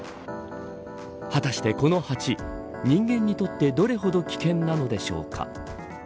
果たしてこのハチ人間にとって、どれほど危険なのでしょうか。